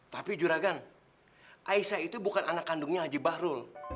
tapi juragan aisyah itu bukan anak kandungnya haji bahrul